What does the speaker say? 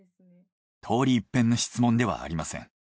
通りいっぺんの質問ではありません。